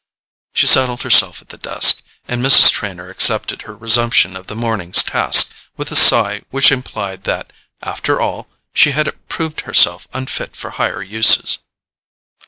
She settled herself at the desk, and Mrs. Trenor accepted her resumption of the morning's task with a sigh which implied that, after all, she had proved herself unfit for higher uses.